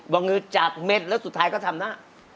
บางนึงจากเม็ดแล้วสุดท้ายก็ทำนะ